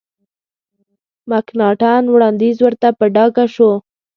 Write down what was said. مکناټن وړاندیز ورته په ډاګه شو.